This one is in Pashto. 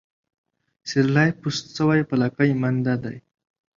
سيرلى پوست سوى ، په لکۍ مانده دى.